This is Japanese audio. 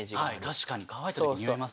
確かに乾いた時臭います。